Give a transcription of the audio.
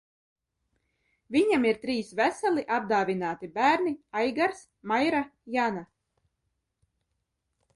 Viņam ir trīs veseli, apdāvināti bērni – Aigars, Maira, Jana.